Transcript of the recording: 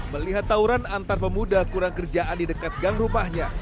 melihat tawuran antar pemuda kurang kerjaan di dekat gang rumahnya